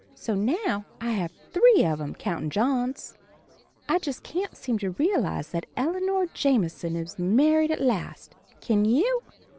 So now I have three of 'em, countin' John's. I just can't seem to realize that Eleanor Jamison is married at last, can you?